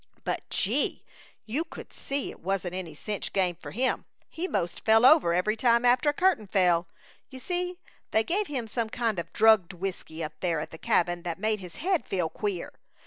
But, gee! You could see it wasn't any cinch game for him! He 'most fell over every time after the curtain fell. You see, they gave him some kind of drugged whisky up there at the cabin that made his head feel queer.